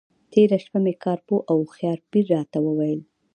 تېره شپه مې کار پوه او هوښیار پیر راته وویل.